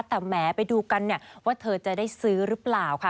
แต่แหมไปดูกันเนี่ยว่าเธอจะได้ซื้อหรือเปล่าค่ะ